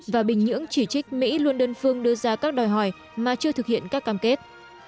và bình nhưỡng chỉ trích mỹ luôn đơn phương đưa ra các đòi hỏi mà chưa thực hiện các cam kết